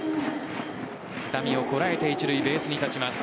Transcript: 痛みをこらえて一塁ベースに立ちます。